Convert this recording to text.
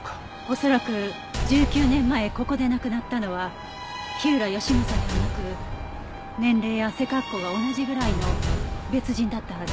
恐らく１９年前ここで亡くなったのは火浦義正ではなく年齢や背格好が同じぐらいの別人だったはず。